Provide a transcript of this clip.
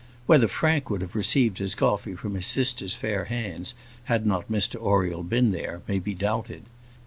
Whether Frank would have received his coffee from his sister's fair hands had not Mr Oriel been there, may be doubted.